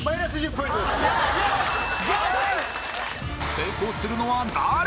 成功するのは誰！？